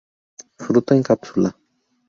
Fruto en cápsula.